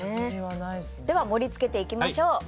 では盛り付けていきましょう。